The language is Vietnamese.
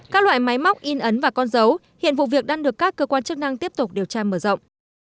các loại máy móc in ấn và con dấu hiện vụ việc đang được các cơ quan chức năng tiếp tục điều tra mở rộng